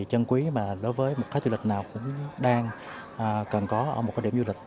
chân quý mà đối với một khách du lịch nào cũng đang cần có ở một cái điểm du lịch